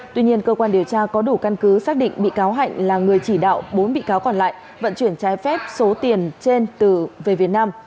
tuy nhiên cơ quan điều tra có đủ căn cứ xác định bị cáo hạnh là người chỉ đạo bốn bị cáo còn lại vận chuyển trái phép số tiền trên về việt nam